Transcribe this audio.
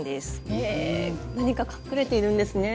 へえ何か隠れているんですね。